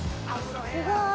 すごい。